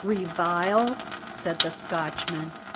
"Revile!" said the Scotchman.